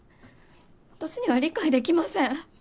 私には理解できません。